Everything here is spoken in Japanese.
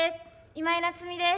今井菜津美です。